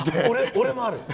俺もある！